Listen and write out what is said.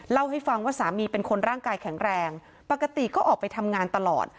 เล่าให้ฟังว่าสามีเป็นคนร่างกายแข็งแรงปกติก็ออกไปทำงานตลอด